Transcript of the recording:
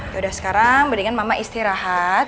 yaudah sekarang mendingan mama istirahat